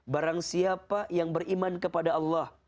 barang siapa yang beriman kepada allah